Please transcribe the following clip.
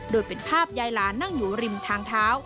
โดยเป็นภาพยายหลานนั่งอยู่ริมทางเท้า